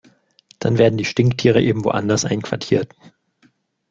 Dann werden die Stinktiere eben woanders einquartiert.